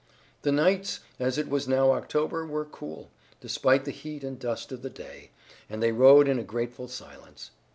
The nights, as it was now October, were cool, despite the heat and dust of the day, and they rode in a grateful silence.